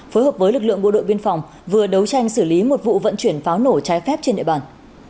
phối hợp với lực lượng bộ đội biên phòng vừa đấu tranh xử lý một vụ vận chuyển pháo nổ trái phép trên địa bàn